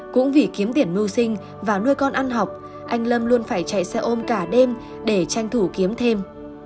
cũng vì kiếm tiền mưu sinh và nuôi con ăn học anh lâm luôn phải chạy xe ôm cả đêm để tranh thủ kiếm thêm